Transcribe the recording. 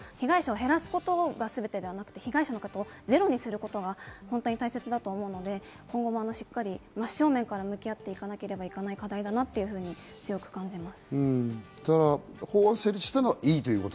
今回の法案のゴールは被害者を減らすことではなく、被害者の方をゼロにすることが本当に大切だと思うので、今後もしっかり真正面から向き合っていかなければいけない課題だなというふうに強く感じます。